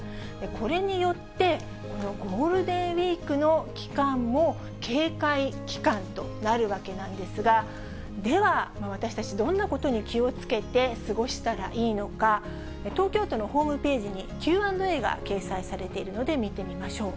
これによって、このゴールデンウィークの期間も、警戒期間となるわけなんですが、では、私たち、どんなことに気をつけて過ごしたらいいのか、東京都のホームページにＱ＆Ａが掲載されているので見てみましょう。